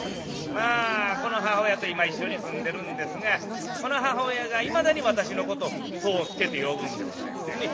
まあこの母親と今一緒に住んでるんですがこの母親がいまだに私のことを宗助と呼ぶんでございますね。